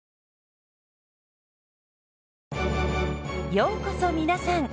ようこそ皆さん。